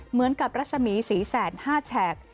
เหมือนกับรัศมีศรีแสน๕แฉก